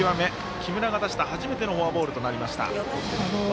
木村が出した初めてのフォアボールとなりました。